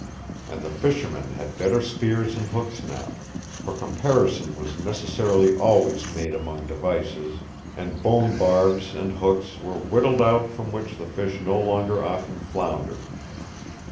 And the fishermen had better spears and hooks now, for comparison was necessarily always made among devices, and bone barbs and hooks were whittled out from which the fish no longer often floundered.